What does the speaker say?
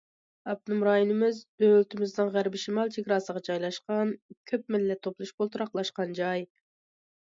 ئاپتونوم رايونىمىز دۆلىتىمىزنىڭ غەربىي شىمال چېگراسىغا جايلاشقان، كۆپ مىللەت توپلىشىپ ئولتۇراقلاشقان جاي.